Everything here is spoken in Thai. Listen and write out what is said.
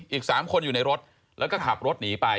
อีก๓คนอยู่ในรถแล้วก็ขับรถหนีไป